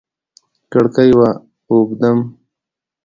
کړکۍ و اوبدم